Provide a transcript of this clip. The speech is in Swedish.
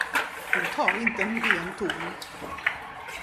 Du tar inte en ren ton.